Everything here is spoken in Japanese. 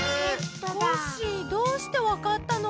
コッシーどうしてわかったの？